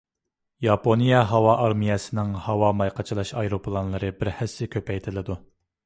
ياپونىيە ھاۋا ئارمىيەسىنىڭ ھاۋا ماي قاچىلاش ئايروپىلانلىرى بىر ھەسسە كۆپەيتىلىدۇ.